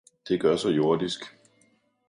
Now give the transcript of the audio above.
det gør så jordisk.